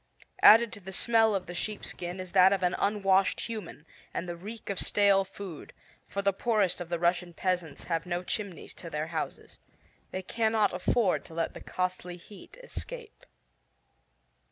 Added to the smell of the sheepskin is that of an unwashed human, and the reek of stale food, for the poorest of the Russian peasants have no chimneys to their houses. They cannot afford to let the costly heat escape.